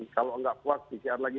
kalau nggak puas pcr lagi